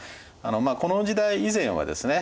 この時代以前はですね